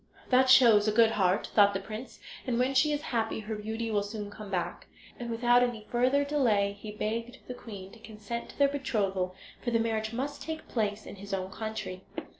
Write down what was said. "That shows a good heart," thought the prince; "and when she is happy her beauty will soon come back." And without any further delay he begged the queen to consent to their betrothal, for the marriage must take place in his own country.